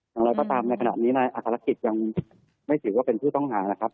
อย่างไรก็ตามในขณะนี้นายอัครกิจยังไม่ถือว่าเป็นผู้ต้องหานะครับ